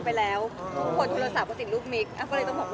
ก็ไปแล้วโทรโทรศาสตร์ก็ติดรูปมิกซ์